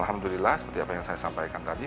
alhamdulillah seperti apa yang saya sampaikan tadi